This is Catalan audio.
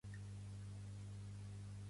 Pertany al moviment independentista l'Indianna?